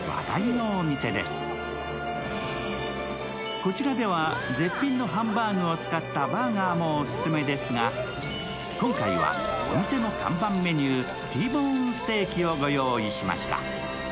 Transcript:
こちらでは絶品のハンバーグを使ったバーガーもオススメですが今回はこの店の看板メニュー、Ｔボーン・ステーキを御用意しました。